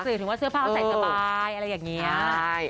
ถึงว่าเสื้อผ้าเขาใส่สบายอะไรอย่างนี้